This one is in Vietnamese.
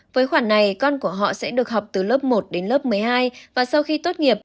với khoản này con của họ sẽ được học từ lớp một đến lớp một mươi hai và sau khi tốt nghiệp